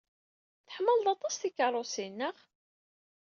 Tḥemmled aṭas tikeṛṛusin, naɣ?